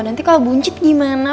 nanti kalau buncit gimana